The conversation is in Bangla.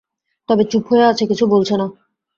তবে চুপ হয়ে আছে, কিছু বলছে না।